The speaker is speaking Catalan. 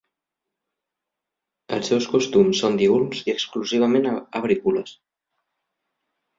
Els seus costums són diürns i exclusivament arborícoles.